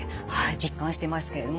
実感してますけれども。